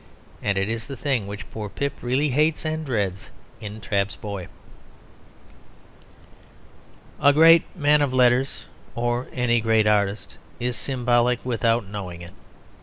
And it is the thing which poor Pip really hates and dreads in Trabb's boy. A great man of letters or any great artist is symbolic without knowing it.